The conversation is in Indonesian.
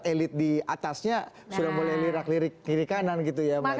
elit di atasnya sudah boleh lirik lirik kiri kanan gitu ya mbak titi